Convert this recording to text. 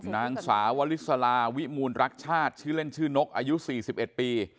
นางสาววลิสลาวิมูลรักชาติชื่อเล่นชื่อนกอายุ๔๑ปี